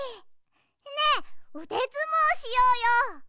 ねえうでずもうしようよ！